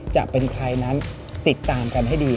จะเป็นใครนั้นติดตามกันให้ดี